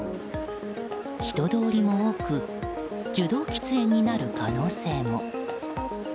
人通りも多く受動喫煙になる可能性も。